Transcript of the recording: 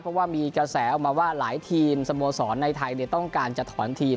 เพราะว่ามีกระแสออกมาว่าหลายทีมสโมสรในไทยต้องการจะถอนทีม